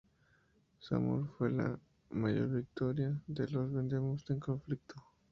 Saumur fue la mayor victoria de los vandeanos en el conflicto.